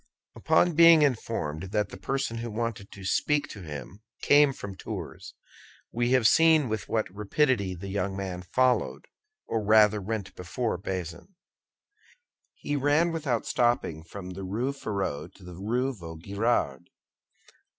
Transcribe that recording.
Upon being informed that the person who wanted to speak to him came from Tours, we have seen with what rapidity the young man followed, or rather went before, Bazin; he ran without stopping from the Rue Férou to the Rue de Vaugirard.